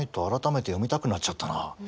改めて読みたくなっちゃったな。